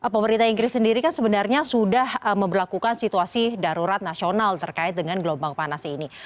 pemerintah inggris sendiri kan sebenarnya sudah memperlakukan situasi darurat nasional terkait dengan gelombang panas ini